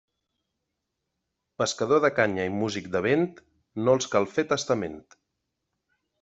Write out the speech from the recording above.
Pescador de canya i músic de vent, no els cal fer testament.